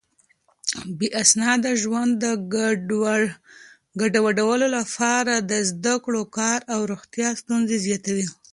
بې اسناده ژوند د کډوالو لپاره د زده کړو، کار او روغتيا ستونزې زياتوي.